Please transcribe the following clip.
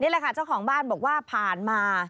แหละค่ะเจ้าของบ้านบอกว่าผ่านมา